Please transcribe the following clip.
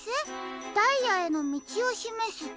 ダイヤへのみちをしめす」。